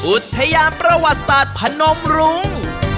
อุทยานประวัติศาสตร์พนมรุง